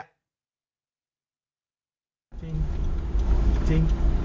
จริงจริง